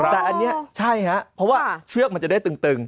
แต่อันนี้ใช่ครับเพราะว่าเชือกมันจะได้ตึง